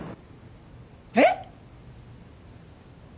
えっ！？